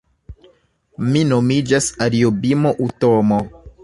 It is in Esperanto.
Mi nomiĝas Ariobimo Utomo